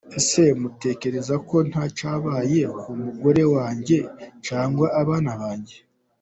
Ese mutekereza ko ntacyabaye ku mugore wanjye cyangwa abana banjye?”.